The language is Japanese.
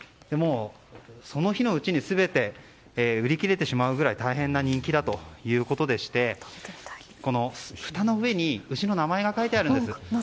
その日のうちに全て売り切れてしまうぐらい大変な人気だということでしてふたの上に牛の名前が書いてあるんです。